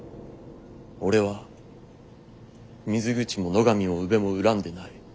俺は水口も野上も宇部も恨んでない。